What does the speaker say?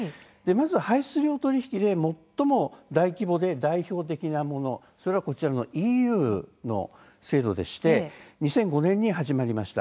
排出量取引で、最も大規模で代表的なものはＥＵの制度でして２００５年に始まりました。